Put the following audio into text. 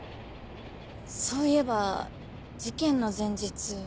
そういえば事件の前日。